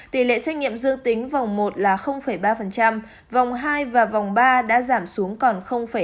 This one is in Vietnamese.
tỷ lệ xét nghiệm dương tính vòng một là ba vòng hai và vòng ba đã giảm xuống còn ba mươi